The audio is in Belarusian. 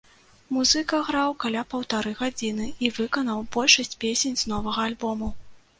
Музыка граў каля паўтары гадзіны і выканаў большасць песень з новага альбому.